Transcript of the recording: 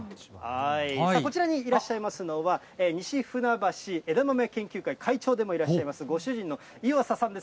こちらにいらっしゃいますのは、西船橋枝豆研究会会長でもいらっしゃいますご主人の岩佐さんです。